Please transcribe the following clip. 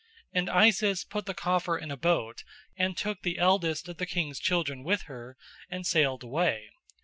And Isis put the coffer in a boat and took the eldest of the king's children with her and sailed away.